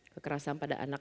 kekerasan pada anak